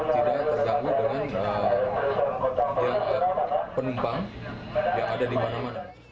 tidak terganggu dengan penumpang yang ada di mana mana